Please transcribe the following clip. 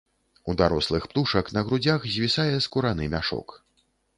У дарослых птушак на грудзях звісае скураны мяшок.